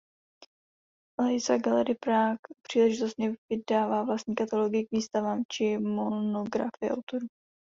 Leica Gallery Prague příležitostně vydává vlastní katalogy k výstavám či monografie autorů.